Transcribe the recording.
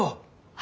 あ。